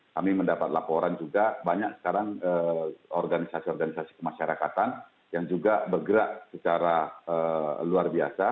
kami mendapat laporan juga banyak sekarang organisasi organisasi kemasyarakatan yang juga bergerak secara luar biasa